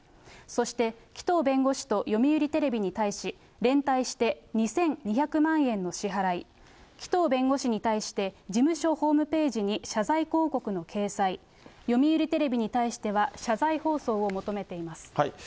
そして、紀藤弁護士と読売テレビに対し、連帯して２２００万円の支払い、紀藤弁護士に対して、事務所ホームページに謝罪広告の掲載、読売テレビに対しては謝罪放送を求めています。